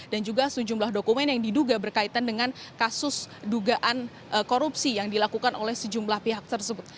dan juga sejumlah dokumen yang diduga berkaitan dengan kasus dugaan korupsi yang dilakukan oleh sejumlah pihak tersebut